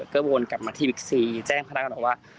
เกื้อบวนกลับมาทีพริกซีแจ้งพระราชกรรมบอกว่า